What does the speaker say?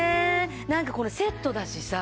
なんかこのセットだしさ。